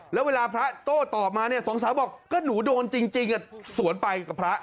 แล้วเวลาพระโต้ตอบมาเนี่ยสองสาวบอกก็หนูโดนจริงสวนไปกับพระ